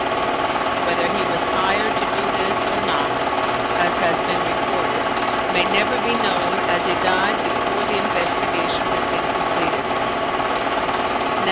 Whether he was hired to do this or not as has been reported may never be known as he died before the investigation had been completed.